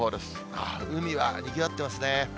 ああ、海はにぎわってますね。